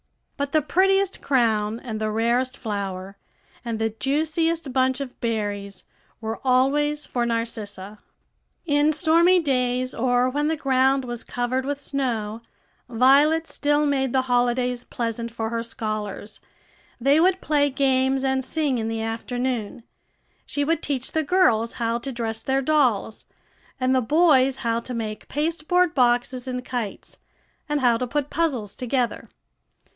But the prettiest crown, and the rarest flower, and the juiciest bunch of berries were always for Narcissa. In stormy days, or when the ground was covered with snow, Violet still made the holidays pleasant for her scholars; they would play games and sing in the afternoon. She would teach the girls how to dress their dolls, and the boys how to make pasteboard boxes and kites, and how to put puzzles together.